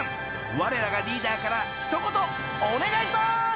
［われらがリーダーから一言お願いしまーす！］